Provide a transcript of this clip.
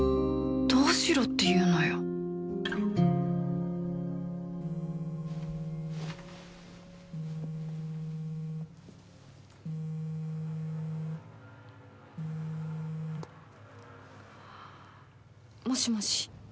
どうしろっていうのよもしもし。